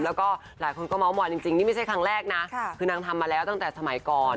แล้วก็หลายคนก็เมาสอยจริงนี่ไม่ใช่ครั้งแรกนะคือนางทำมาแล้วตั้งแต่สมัยก่อน